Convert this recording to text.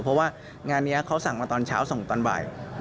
เพราะว่างานนี้เขาสั่งมาตอนเช้าส่งตอนบ่าย